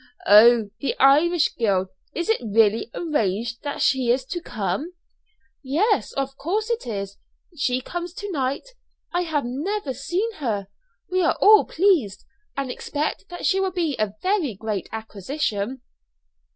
"Oh, the Irish girl! Is it really arranged that she is to come?" "Yes, of course it is. She comes to night. I have never seen her. We are all pleased, and expect that she will be a very great acquisition."